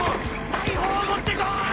大砲を持ってこい！